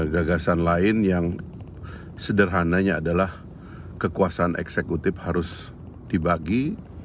gagasan lain yang sederhananya adalah kekuasaan eksekutif harus dibagi